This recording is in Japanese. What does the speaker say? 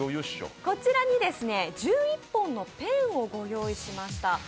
こちらに１１本のペンをご用意しました。